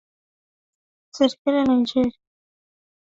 serikali ya nigeria imekwisha liarifu baraza la usalama la umoja wa mataifa